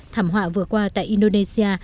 thảm họa vừa qua tại indonesia